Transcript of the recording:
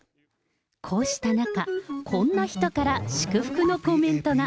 こうした中、こんな人から祝福のコメントが。